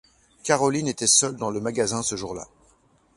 Carolyn était seule dans le magasin ce jour-là.